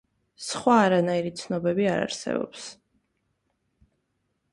სხვა არანაირი ცნობები არ არსებობს.